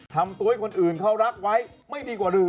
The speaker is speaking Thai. ทำตัวให้คนอื่นเขารักไว้ไม่ดีกว่าหรือ